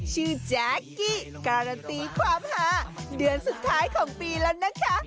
แจ๊กกี้การันตีความหาเดือนสุดท้ายของปีแล้วนะคะ